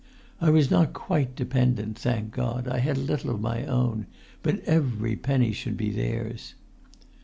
I was not quite dependent—thank God, I had a little of my own—but every penny should be theirs!"